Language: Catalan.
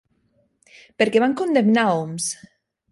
Per què van condemnar Homs?